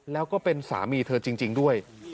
แล้วก็เป็นสามีเธอจริงด้วย